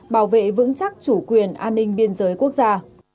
bảo vệ vững chắc chủ quyền an ninh biên giới quốc gia